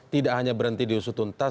tidak hanya berhenti diusut tuntas